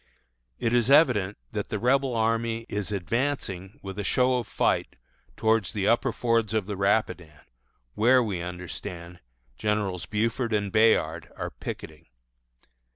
It is evident that the Rebel army is advancing with a show of fight towards the upper fords of the Rapidan, where, we understand, Generals Buford and Bayard are picketing.